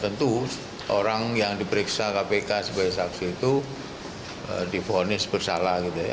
tentu orang yang diperiksa kpk sebagai saksi itu difonis bersalah gitu ya